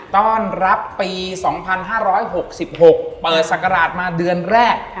ต้อนรับปี๒๕๖๖เปิดศักราชมาเดือนแรก